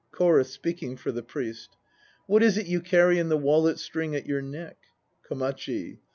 CHORUS (speaking for the PRIEST). What is it you carry in the wallet string at your neck? KOMACHI.